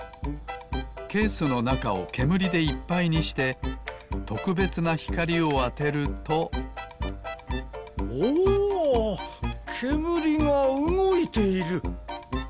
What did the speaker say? ケースのなかをけむりでいっぱいにしてとくべつなひかりをあてるとおけむりがうごいている！